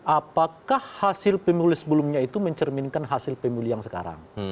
apakah hasil pemilu sebelumnya itu mencerminkan hasil pemilu yang sekarang